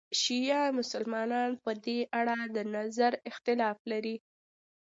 شیعه مسلمانان په دې اړه د نظر اختلاف لري.